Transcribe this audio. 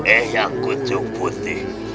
eh yang kucuk putih